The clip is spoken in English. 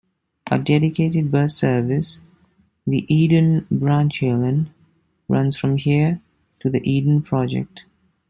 A dedicated bus service, the Eden Branchline, runs from here to The Eden Project.